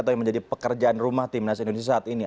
atau yang menjadi pekerjaan rumah timnas indonesia saat ini